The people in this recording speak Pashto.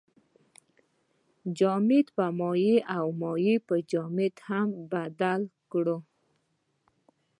جامد په مایع او مایع په جامد هم بدل کړو.